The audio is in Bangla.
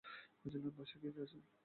বাসায় কে কে আছে?